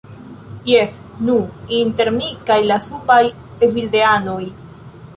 Jes, nu, inter mi kaj la subaj evildeanoj.